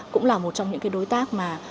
cũng là một trong những đối tác